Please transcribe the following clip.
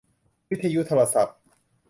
วิทยุโทรศัพท์